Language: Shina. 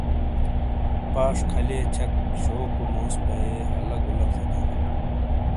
پاش کھلئے چھک شوکو موس بائے ہلہ گلہ تھینالے۔